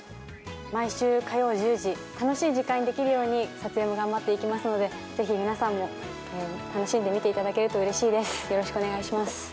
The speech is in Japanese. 毎週火曜１０時楽しい時間になってくれるよう、頑張りますので、ぜひ皆さんも楽しんで見ていただけるとうれしいです。